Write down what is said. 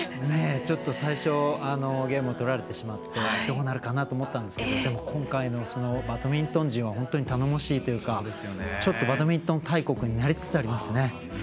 ちょっと最初ゲームを取られてどうなるかなと思ったんですが今回のバドミントン陣は本当に頼もしいというかバドミントン大国になりつつありますね。